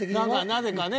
なぜかね